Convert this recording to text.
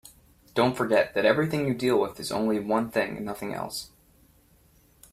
Don't forget that everything you deal with is only one thing and nothing else.